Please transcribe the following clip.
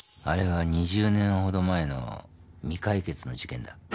あれは２０年ほど前の未解決の事件だ。